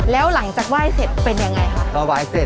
แล้วหลังจากไหว่เสร็จเป็นยังไงค่ะ